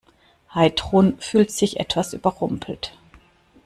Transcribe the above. Heidrun fühlt sich etwas überrumpelt.